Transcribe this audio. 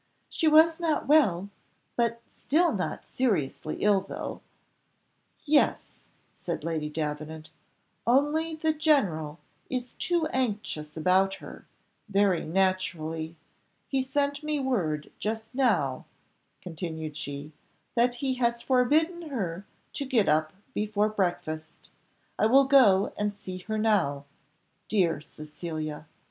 "She was not well, but still not seriously ill, though " "Yes," said Lady Davenant; "only the general is too anxious about her very naturally. He sent me word just now," continued she, "that he has forbidden her to get up before breakfast. I will go and see her now; dear Cecilia!